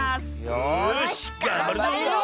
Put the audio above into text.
よしがんばるぞ！